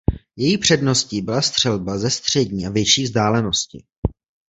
Její předností byla střelba ze střední a větší vzdálenosti.